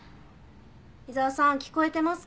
伊沢さん聞こえてますか？